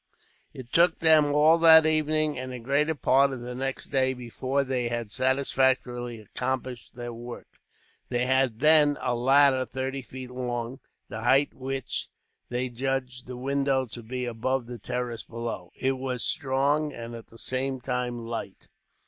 It took them all that evening, and the greater part of the next day, before they had satisfactorily accomplished their work. They had, then, a ladder thirty feet long, the height which they judged the window to be above the terrace below. It was strong, and at the same time light.